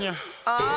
ああ。